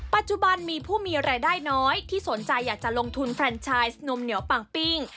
ปัจจุบันมีผู้มีรายได้น้อยที่สนใจอยากจะลงทุนแฟรนชายนมเหนียวปังปิ้ง